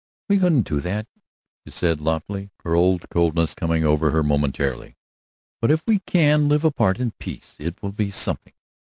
"We couldn't be that," she said, loftily, her old coldness coming over her momentarily, "but if we can live apart in peace it will be something.